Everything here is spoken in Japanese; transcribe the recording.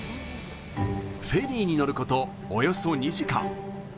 フェリーに乗ることおよそ２時間